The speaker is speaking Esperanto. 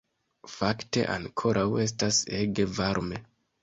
Fakte, ankoraŭ estas ege varme